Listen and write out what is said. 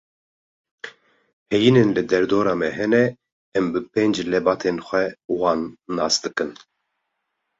Heyînên li derdora me hene, em bi pênc lebatên xwe wan nas dikin.